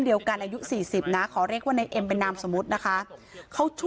อายุ๔๐นะขอเรียกว่าในเอ็มเป็นนามสมมุตินะคะเขาช่วย